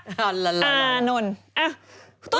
พัชระอานนท์